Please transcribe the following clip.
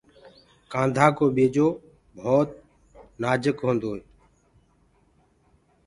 ڪآنڌآ ڪو ٻيجو ڀوت نآجُڪ هوندو هي۔